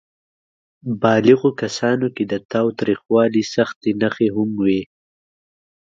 بالغو کسانو کې د تاوتریخوالي سختې نښې هم وې.